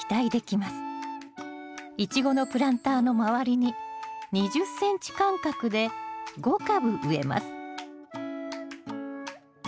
イチゴのプランターの周りに２０ｃｍ間隔で５株植えます